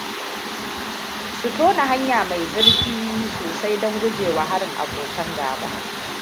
Su tona hanya mai zurfi sosai don gujewa harin abokan gaba.